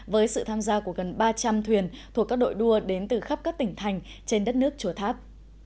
với sự tham gia của gần ba trăm linh thuyền thuộc các đội đua đến từ khắp các tỉnh thành trên đất nước chùa tháp